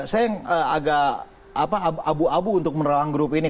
saya yang agak abu abu untuk menerang grup ini